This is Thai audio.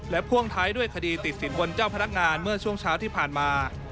พ่วงท้ายด้วยคดีติดสินบนเจ้าพนักงานเมื่อช่วงเช้าที่ผ่านมา